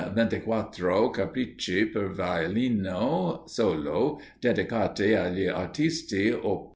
"Ventiquattro Capricci per Violino solo, dedicati agli artisti, Op.